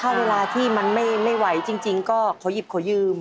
ถ้าเวลาที่มันไม่ไหวจริงก็ขอหยิบขอยืม